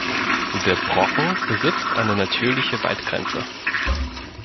Der Brocken besitzt eine natürliche Waldgrenze.